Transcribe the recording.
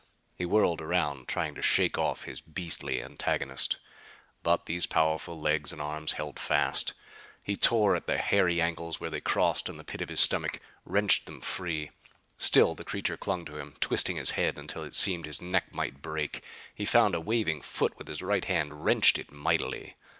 He whirled around, trying to shake off his beastly antagonist. But these powerful legs and arms held fast. He tore at the hairy ankles where they crossed in the pit of his stomach; wrenched them free. Still the creature clung to him, twisting his head until it seemed his neck must break. He found a waving foot with his right hand; wrenched it mightily.